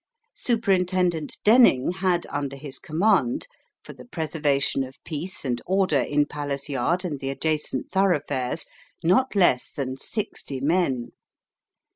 Superintendent Denning had under his command, for the preservation of peace and order in Palace Yard and the adjacent thoroughfares, not less than sixty men.